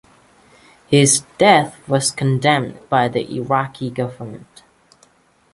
His death was condemned by the Iraqi government.